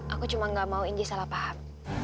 aku cuma enggak mau indi salah paham